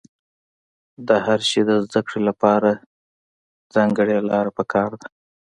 د هر شي د زده کړې له پاره ځانګړې لاره په کار ده.